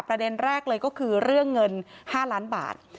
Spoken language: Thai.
ประเด็นแรกเลยก็คือเรื่องเงิน๕ล้านบาท